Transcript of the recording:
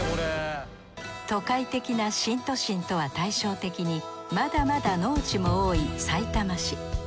都会的な新都心とは対照的にまだまだ農地も多いさいたま市。